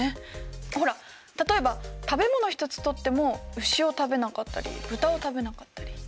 ほら例えば食べ物一つとっても牛を食べなかったり豚を食べなかったり。